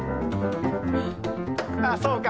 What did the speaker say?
ああそうか。